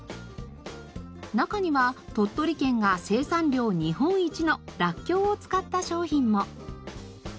中には鳥取県が生産量日本一のらっきょうを使った商品も。